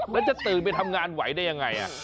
แล้วจะตื่นไปทำงานไหวได้ยังไง